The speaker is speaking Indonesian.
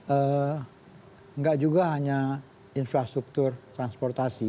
enggak juga hanya infrastruktur transportasi